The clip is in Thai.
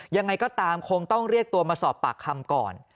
ยังไงก็ตามคงต้องเรียกตัวมาสอบปากคำก่อน